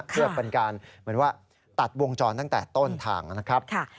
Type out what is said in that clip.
เพื่อเป็นการตัดวงจรตั้งแต่ต้นทางนะครับ